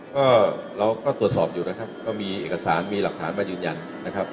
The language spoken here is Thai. ก็เราก็ตรวจสอบอยู่นะครับก็มีเอกสารมีหลักฐานมายืนยันนะครับ